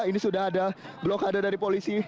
ini sudah ada blokade dari polisi